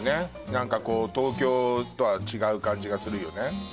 何かこう東京とは違う感じがするよね。